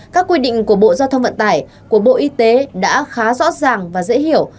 các quy định của bộ giao thông vận tải của bộ y tế đã khá rõ ràng và dễ hiểu